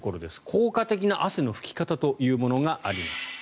効果的な汗の拭き方というものがあります。